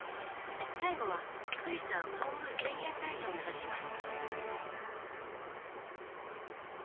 最後は富士山本宮浅間大社を目指します。